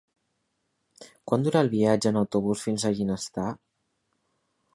Quant dura el viatge en autobús fins a Ginestar?